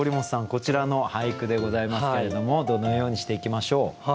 こちらの俳句でございますけれどもどのようにしていきましょう？